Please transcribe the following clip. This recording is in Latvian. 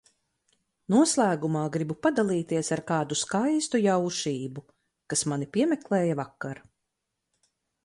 Noslēgumā gribu padalīties ar kādu skaistu jaušību, kas mani piemeklēja vakar.